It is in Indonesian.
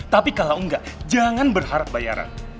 tapi kalau enggak jangan berharap bayaran